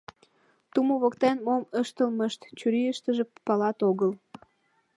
Тумо воктен мом ыштылмышт чурийыштыже палат огыл.